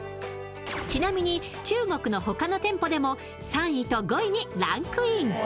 ちなみに中国の他の店舗でも３位と５位にランクイン。